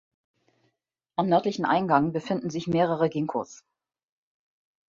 Am nördlichen Eingang befinden sich mehrere Ginkgos.